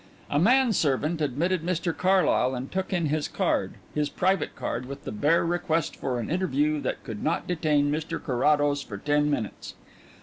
A man servant admitted Mr Carlyle and took in his card his private card with the bare request for an interview that would not detain Mr Carrados for ten minutes.